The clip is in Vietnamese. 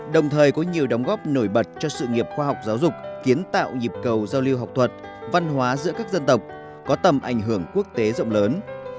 đồng thời có nhiều đóng góp nổi bật cho sự nghiệp khoa học giáo dục kiến tạo nhịp cầu giao lưu học thuật văn hóa giữa các dân tộc có tầm ảnh hưởng quốc tế rộng lớn